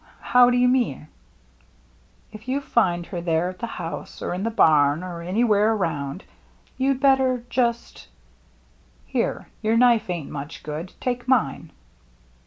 How do you meanr " If you find her there at the house, or in the bam, or anywhere around, you'd better just — here, your knife ain't much good. Take mine."